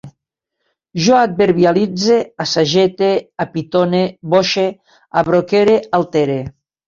Jo adverbialitze, assagete, apitone, boixe, abroquere, altere